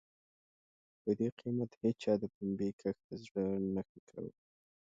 په دې قېمت هېچا د پنبې کښت ته زړه نه ښه کاوه.